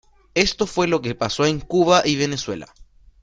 Esto fue lo que pasó en Cuba y Venezuela.